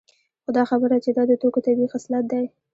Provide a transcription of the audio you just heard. خو دا خبره چې دا د توکو طبیعي خصلت دی